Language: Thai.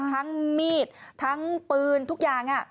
ทั้งมีดทั้งปืนทุกอย่าง